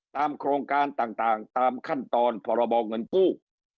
โครงการต่างตามขั้นตอนพรบเงินกู้